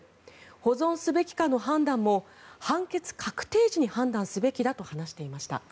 保存すべきかの判断も判決確定時に判断すべきだと話していました。